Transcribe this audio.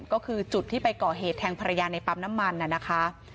ก็คือจุดที่ไปก่อเหตุแทงภรรยาในปั๊มน้ำมันน่ะนะคะ